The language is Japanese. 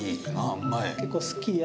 うまい。